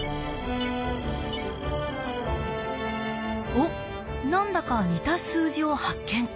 おっ何だか似た数字を発見。